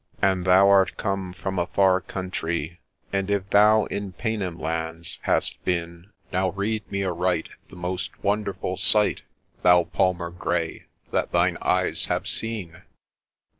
—' An thou art come from a far countree, And if thou in Paynim lands hast been, Now rede me aright the most wonderful sight, Thou Palmer grey, that thine eyea have seen.